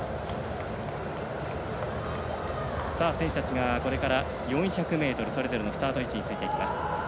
選手たちが、これから４００ｍそれぞれのスタート位置についていきます。